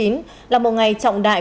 là một ngày trọng đại